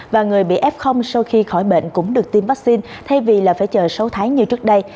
và người bị f sau khi khỏi bệnh cũng được tiêm vaccine thay vì là phải chờ sáu tháng như trước đây